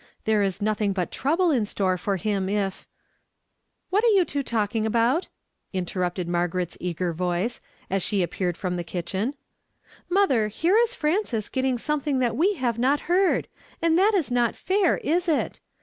There is nothing but trouble in store for him if "—" What are you two talking about ?" interrupted Margaret's eager voice, as she appeared from the kitchen —" Mother, here is Frances getting something that we have not heard; and that is not fair, is it?